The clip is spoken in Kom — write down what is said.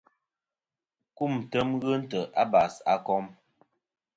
Kumtem ghɨ ntè' a basakom.